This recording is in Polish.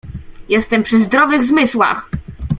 Jestem przy zdrowych zmysłach!